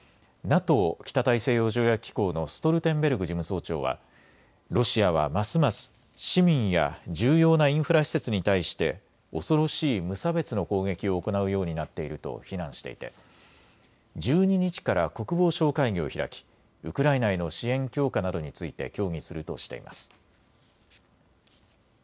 ＮＡＴＯ・北大西洋北大西洋条約機構のストルテンベルグ事務総長はロシアはますます市民や重要なインフラ施設に対して恐ろしい無差別の攻撃を行うようになっていると非難していて１２日から国防相会議を開きウクライナへの支援強化などについて協議するとしています。